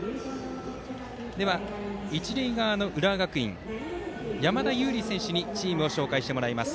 では一塁側の浦和学院山田悠莉選手にチームを紹介してもらいます。